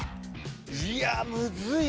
いやむずいな。